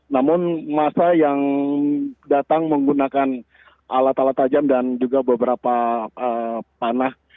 namun masa yang datang menggunakan alat alat tajam dan juga beberapa panah